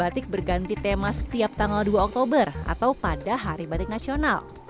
batik berganti tema setiap tanggal dua oktober atau pada hari batik nasional